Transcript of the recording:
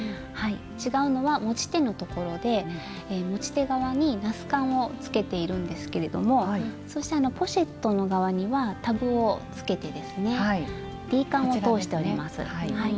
違うのは持ち手のところで持ち手側にナスカンをつけているんですけれどもそしてポシェットの側にはタブをつけてですねＤカンを通してあります。